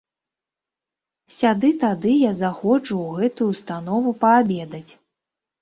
Сяды-тады я заходжу ў гэтую ўстанову паабедаць.